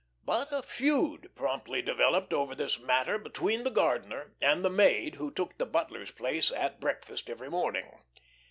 But a feud promptly developed over this matter between the gardener and the maid who took the butler's place at breakfast every morning.